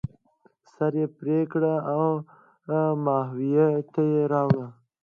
سر یې پرې کړ او ماهویه ته یې راوړ.